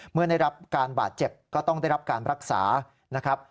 เมื่อได้รับการบาดเจ็บก็ต้องได้รับการรักษานะครับ